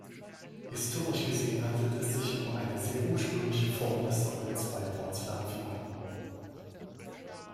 Historisch gesehen handelt es sich um eine sehr ursprüngliche Form des Sockels bei Porzellanfiguren.